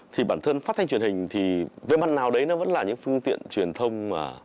thì bản thân phát thanh truyền hình thì về mặt nào đấy nó vẫn là những phương tiện truyền thông mà